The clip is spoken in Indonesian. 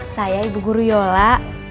saya ibu guru yola